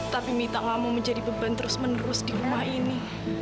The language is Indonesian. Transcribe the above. tapi mita gak mau menjadi beban terus menerus di rumah ini